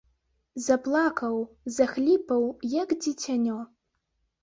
Заплакаў, захліпаў, як дзіцянё.